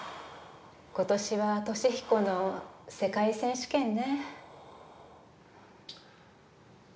ことしは稔彦の世界選手権ね。